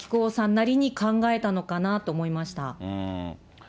なりに考えたのかなと思いました。